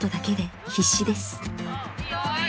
いいよ。